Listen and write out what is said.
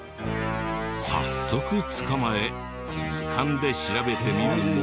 早速捕まえ図鑑で調べてみるも。